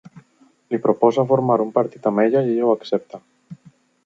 Li proposa formar un partit amb ella i ella ho accepta.